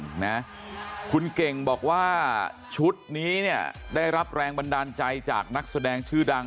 เปิดสีหรือว่าคุณเก่งนะคุณเก่งบอกว่าชุดนี้เนี่ยได้รับแรงบันดาลใจจากนักแสดงชื่อดัง